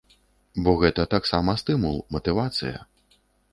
Бо гэта таксама стымул, матывацыя.